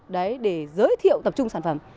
đấy để giới thiệu tập trung sản phẩm